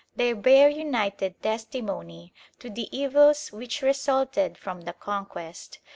They bear united testimony to the evils which resulted from the Conquest.